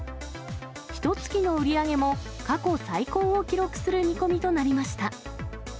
ひとつきの売り上げも過去最高を記録する見込みとなりました。